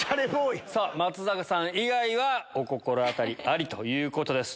松坂さん以外がお心当たりありということです。